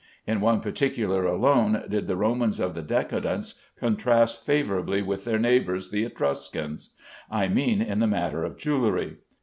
In one particular alone did the Romans of the Decadence contrast favorably with their neighbors the Etruscans I mean in the matter of jewelry.